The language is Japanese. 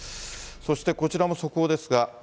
そしてこちらも速報ですが。